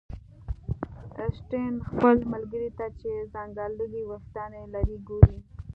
اسټین خپل ملګري ته چې ځنګلي ویښتان لري ګوري